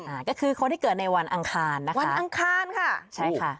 อ่าก็คือคนที่เกิดในวันอังคารนะคะวันอังคารค่ะใช่ค่ะ